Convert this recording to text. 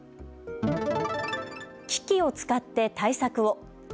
機器を使って対策を。